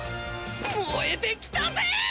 燃えてきたぜ！